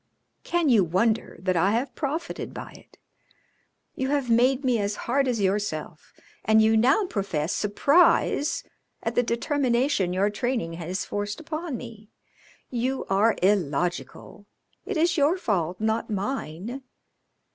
Can you wonder that I have profited by it? You have made me as hard as yourself, and you now profess surprise at the determination your training has forced upon me. You are illogical. It is your fault, not mine.